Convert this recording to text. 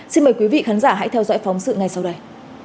xin mời quý vị khán giả hãy theo dõi phóng sự ngay sau đây